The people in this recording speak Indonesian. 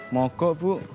mau kok bu